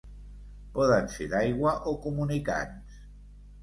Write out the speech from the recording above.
Poden ser d'aigua o comunicants.